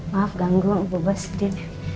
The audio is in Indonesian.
maaf ganggu bubuk sedih